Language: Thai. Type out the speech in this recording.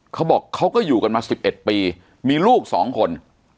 เขาบอกเขาก็อยู่กันมา๑๑ปีมีลูก๒คน